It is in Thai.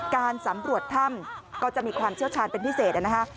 การสำรวจถ้ำก็จะมีความเชี่ยวชาญเป็นพิเศษนะฮะ